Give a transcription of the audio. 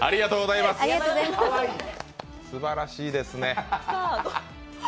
すばらしいですね。